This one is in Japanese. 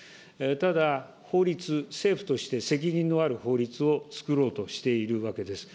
ただ、法律、政府として責任のある法律を作ろうとしているわけです。